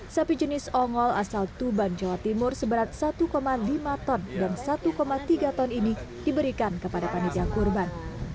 sapi jenis ongol asal tuban jawa timur seberat satu lima ton dan satu tiga ton ini diberikan kepada panitia kurban